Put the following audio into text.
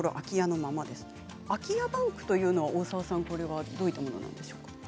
空き家バンクというのは大澤さんどういうものですか。